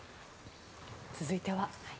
続いては。